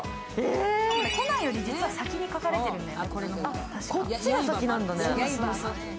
コナンより実は先に描かれてるんだよね、確か。